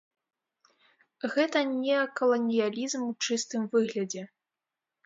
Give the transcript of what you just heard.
Гэта неакаланіялізм у чыстым выглядзе.